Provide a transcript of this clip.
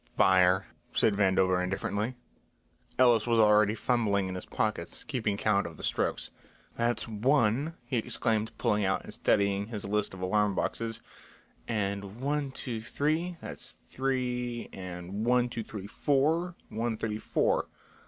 "Fire," said Vandover indifferently. Ellis was already fumbling in his pockets, keeping count of the strokes. "That's one," he exclaimed, pulling out and studying his list of alarm boxes, "and one two three, that's three and one two three four, one thirty four.